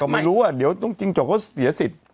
ก็ไม่รู้อ่ะเดี๋ยวจริงจกเขาเสียสิทธิ์